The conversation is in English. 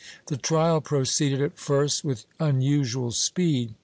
^ The trial proceeded at first with unusual speed.